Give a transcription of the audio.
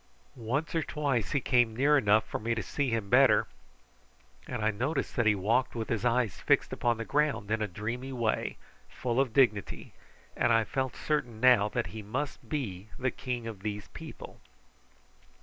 Once or twice he came near enough for me to see him better, and I noticed that he walked with his eyes fixed upon the ground in a dreamy way, full of dignity, and I felt certain now that he must be the king of these people.